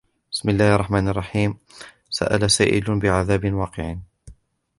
بِسْمِ اللَّهِ الرَّحْمَنِ الرَّحِيمِ سَأَلَ سَائِلٌ بِعَذَابٍ وَاقِعٍ